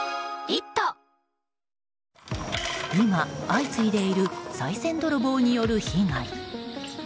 今、相次いでいるさい銭泥棒による被害。